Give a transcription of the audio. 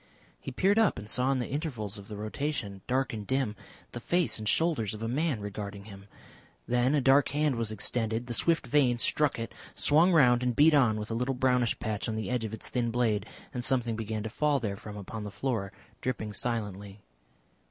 He peered up and saw in the intervals of the rotation, dark and dim, the face and shoulders of a man regarding him. Then a dark hand was extended, the swift vane struck it, swung round and beat on with a little brownish patch on the edge of its thin blade, and something began to fall therefrom upon the floor, dripping silently.